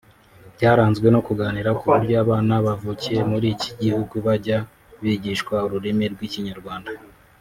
byaranzwe no kuganira ku buryo abana bavukiye muri iki gihugu bajya bigishwa ururimi rw’ikinyarwanda